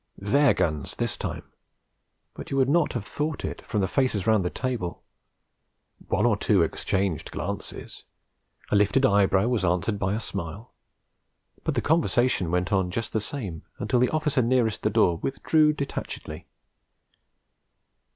Their guns, this time; but you would not have thought it from the faces round the table. One or two exchanged glances; a lifted eyebrow was answered by a smile; but the conversation went on just the same until the officer nearest the door withdrew detachedly.